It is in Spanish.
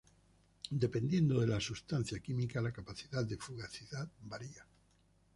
Dependiendo de la sustancia química, la capacidad de fugacidad varía.